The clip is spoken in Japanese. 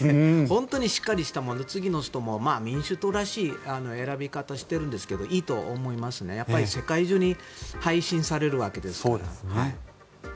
本当にしっかりした人次の人も民主党らしい選び方をしてるんですがいいと思います、世界中に配信されるわけですから。